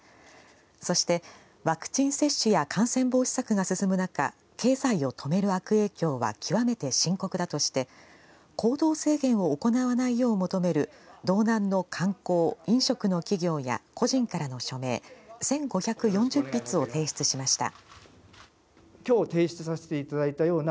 そして、ワクチン接種や感染防止策が進む中経済を止める悪影響は極めて深刻だとして行動制限を行わないよう求める道南の観光、飲食の企業や個人からの署名１５４０筆を提出しました。